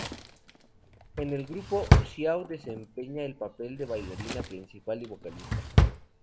En el grupo, Xiao desempeña el papel de bailarina principal y vocalista.